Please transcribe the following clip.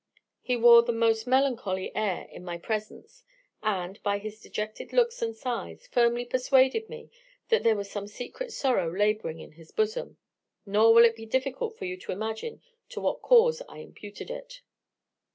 He wore the most melancholy air in my presence, and, by his dejected looks and sighs, firmly persuaded me that there was some secret sorrow labouring in his bosom; nor will it be difficult for you to imagine to what cause I imputed it.